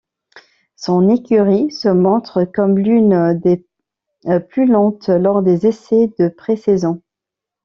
Son écurie se montre comme l'une des plus lentes lors des essais de pré-saison.